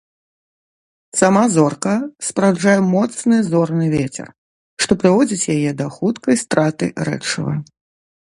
Сама зорка спараджае моцны зорны вецер, што прыводзіць яе да хуткай страты рэчыва.